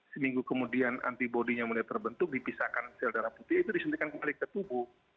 seminggu kemudian antibody nya mulai terbentuk dipisahkan sel darah putih itu disuntikan kembali ke tubuh